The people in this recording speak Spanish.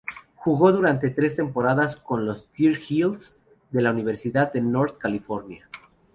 Jugó durante tres temporadas con los "Tar Heels" de la Universidad de North Carolina.